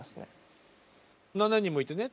７人もいてね